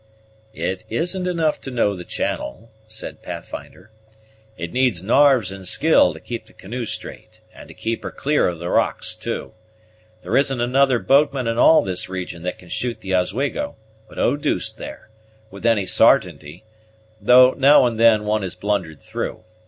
"It isn't enough to know the channel," said Pathfinder; "it needs narves and skill to keep the canoe straight, and to keep her clear of the rocks too. There isn't another boatman in all this region that can shoot the Oswego, but Eau douce there, with any sartainty; though, now and then, one has blundered through.